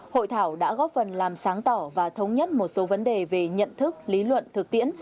hội thảo đã góp phần làm sáng tỏ và thống nhất một số vấn đề về nhận thức lý luận thực tiễn